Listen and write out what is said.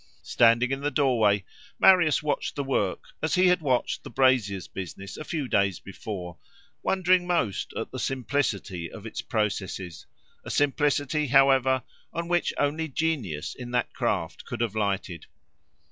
Standing in the doorway, Marius watched the work, as he had watched the brazier's business a few days before, wondering most at the simplicity of its processes, a simplicity, however, on which only genius in that craft could have lighted.